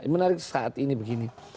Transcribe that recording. menarik saat ini begini